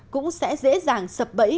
cũng sẽ dễ dàng sập bẫy